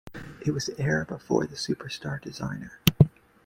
It was the era before the superstar designer.